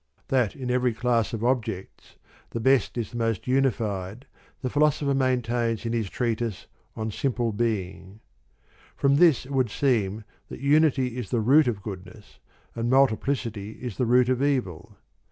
That in every class of objects the best is the most unified, the Philosopher maintains in his treatise on I timple Being* From this it would seem that I unity is the root of goodness, and multiplicity , is the root of evil.